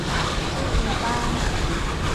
主機枋